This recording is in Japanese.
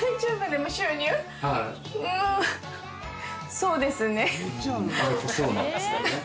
そうですね。